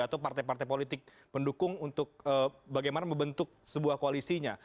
atau partai partai politik pendukung untuk bagaimana membentuk sebuah koalisinya